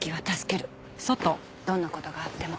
どんな事があっても。